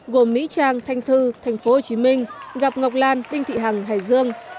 gồm mỹ trang thanh thư tp hcm gặp ngọc lan đinh thị hằng hải dương